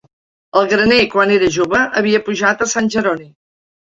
El graner, quan era jove, havia pujat a Sant Jeroni